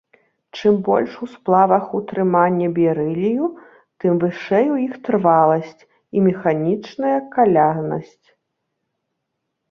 Чым больш у сплавах утрыманне берылію, тым вышэй у іх трываласць і механічная калянасць.